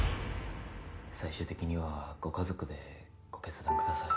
最終的にはご家族でご決断ください。